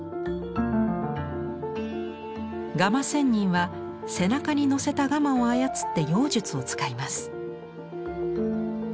蝦蟇仙人は背中に乗せた蝦蟇を操って妖術を使います。